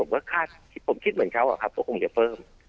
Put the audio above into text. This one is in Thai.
ผมคิดเหมือนเขาอะครับเขาคงจะเพิ่ม